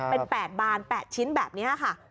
เป็นแปะบานแปะชิ้นแบบนี้ค่ะ